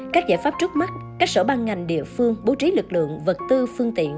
các giải pháp trước mắt các sở ban ngành địa phương bố trí lực lượng vật tư phương tiện